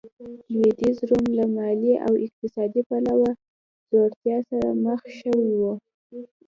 لوېدیځ روم له مالي او اقتصادي پلوه ځوړتیا سره مخ شوی و.